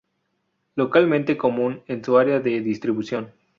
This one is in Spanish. Localmente común en su área de distribución.